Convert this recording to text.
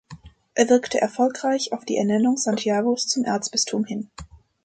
Er wirkte erfolgreich auf die Ernennung Santiagos zum Erzbistum hin.